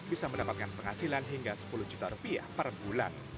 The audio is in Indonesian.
bisa mendapatkan penghasilan hingga sepuluh juta rupiah per bulan